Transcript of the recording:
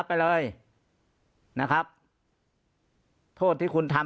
ปากกับภาคภูมิ